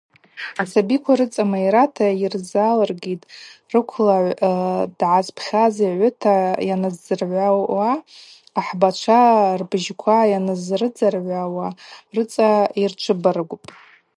Асабиква рыцӏа майрата йырзалыргитӏ рыквлагӏв дгӏазпхьаз йгӏвыта йаназдзыргӏвуа, ахӏбачва рбыжьква йанрыздзыргӏвуа рыцӏа йырчвыбаргвпӏ.